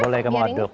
boleh kamu aduk